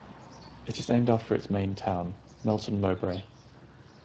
It is named after its main town, Melton Mowbray.